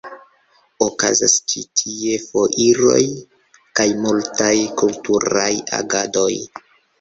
Okazas ĉi tie foiroj kaj multaj kulturaj agadoj.